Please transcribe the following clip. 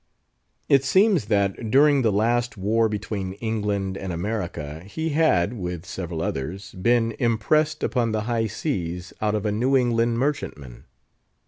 It seems that, during the last war between England and America, he had, with several others, been "impressed" upon the high seas, out of a New England merchantman.